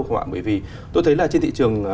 không ạ bởi vì tôi thấy là trên thị trường